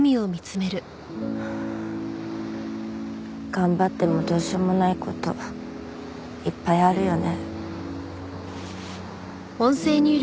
頑張ってもどうしようもない事いっぱいあるよね。